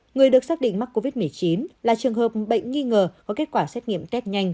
người được xác định mắc covid một mươi chín là trường hợp bệnh nghi ngờ có kết quả xét nghiệm test nhanh